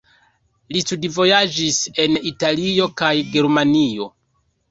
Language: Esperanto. Li studvojaĝis en Italio kaj Germanio.